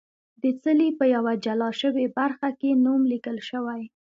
د څلي په یوه جلا شوې برخه کې نوم لیکل شوی.